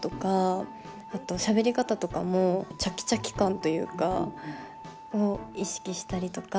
あとしゃべり方とかもチャキチャキ感というかを意識したりとか。